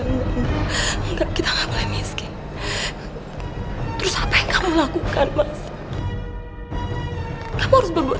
tuhan enggak enggak enggak kita ngapain miskin terus apa yang kamu lakukan kamu harus berbuat